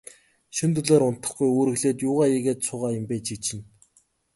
Шөнө дөлөөр унтахгүй, үүрэглээд юугаа хийгээд суугаа юм бэ, чи чинь.